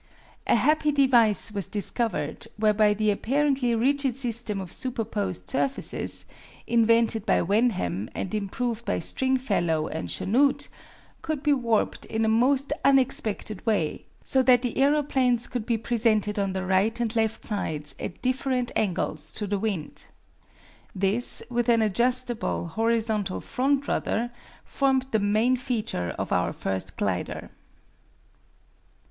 A happy device was discovered whereby the apparently rigid system of superposed surfaces, invented by Wenham, and improved by Stringfellow and Chanute, could be warped in a most unexpected way, so that the aeroplanes could be presented on the right and left sides at different angles to the wind. This, with an adjustable, horizontal front rudder, formed the main feature of our first glider.